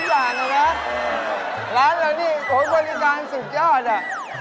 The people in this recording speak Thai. ร้านละนี่โหบริการสุดยอดอ่ะ